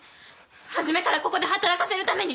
初めからここで働かせるために！